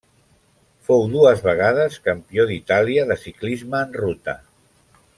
Fou dues vegades campió d'Itàlia de ciclisme en ruta.